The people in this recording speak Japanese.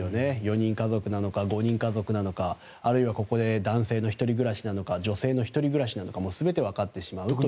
４人家族なのか５人家族なのかあるいはここで男性の１人暮らしなのか女性の１人暮らしなのかも全て分かってしまうと。